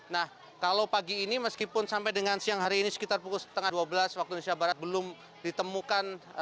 nah kalau pagi ini meskipun sampai dengan siang hari ini sekitar pukul setengah dua belas waktu indonesia barat belum ditemukan